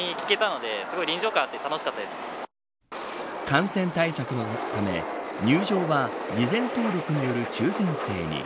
感染対策のため入場は事前登録による抽選制に。